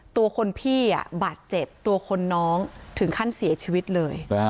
ตัวคนพี่บาดเจ็บตัวคนน้องถึงขั้นเสียชีวิตเลย